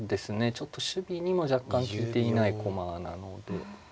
ちょっと守備にも若干利いていない駒なので。